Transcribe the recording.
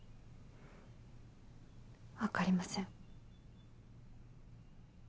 分かりません。